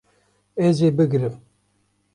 Ez ê bigirim